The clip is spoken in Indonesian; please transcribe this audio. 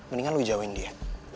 mendingan lo jauhin dia